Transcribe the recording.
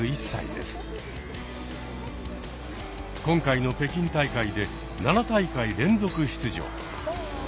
今回の北京大会で７大会連続出場。